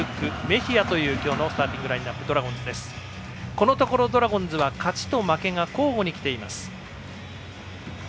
このところ、ドラゴンズは勝ちと負けが交互にきています。